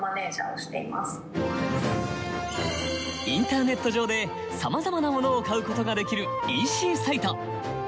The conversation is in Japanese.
インターネット上でさまざまなものを買うことができるＥＣサイト。